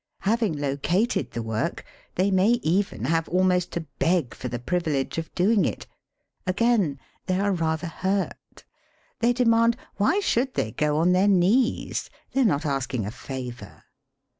Having located the work, they may even have almost to beg for the privilege of doing it. Again, they are rather hurt. They demand, why should they go on their knees? They are i asking a favour.